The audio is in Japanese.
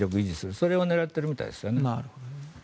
それを狙っているみたいですね。